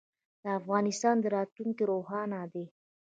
د افغانستان راتلونکی روښانه دی.